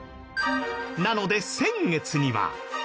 なので先月には。